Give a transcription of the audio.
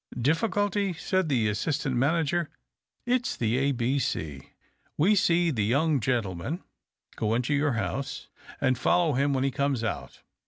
"Difficulty?" said the assistant manager. '•' It's the ABC. We see the young gentle man go into your house, and follow him when he comes out.